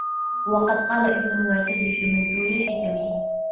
وَقَدْ قَالَ ابْنُ الْمُعْتَزِّ فِي مَنْثُورِ الْحِكَمِ